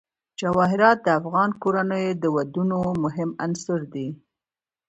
جواهرات د افغان کورنیو د دودونو مهم عنصر دی.